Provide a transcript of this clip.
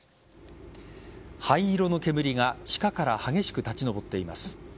灰色の煙が地下から激しく立ち上っています。